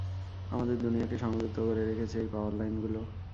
আমাদের দুনিয়াকে সংযুক্ত করে রেখেছে এই পাওয়ার লাইনগুলো।